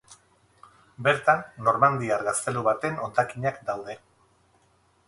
Bertan normandiar gaztelu baten hondakinak daude.